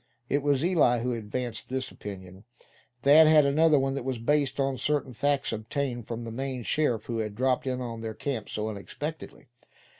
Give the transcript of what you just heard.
It was Eli who advanced this opinion. Thad had another one that was based on certain facts obtained from the Maine sheriff who had dropped in on their camp so unexpectedly.